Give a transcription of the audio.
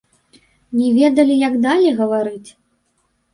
Не ведалі, як далей гаварыць?